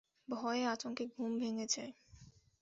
ভয়ে আতঙ্কে ঘুম ভেঙ্গে যায়।